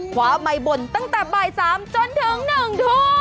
ไมค์บ่นตั้งแต่บ่าย๓จนถึง๑ทุ่ม